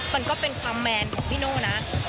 มันก็เป็นความแมนของพี่โน่นะ